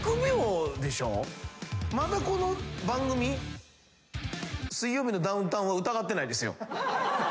まだこの番組「水曜日のダウンタウン」は疑ってないですよ